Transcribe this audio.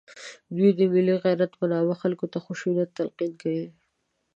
دوی د ملي غیرت په نامه خلکو ته خشونت تلقین کوي